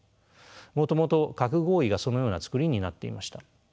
もともと核合意がそのような作りになっていました。